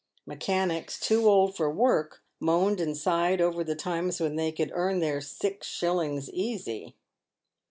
Mechanics, too old for work, moaned and sighed over the times when they could earn " their six shillings easy."